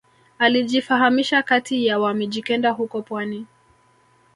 Alijifahamisha kati ya wa mijikenda huko pwani